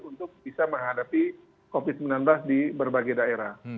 untuk bisa menghadapi covid sembilan belas di berbagai daerah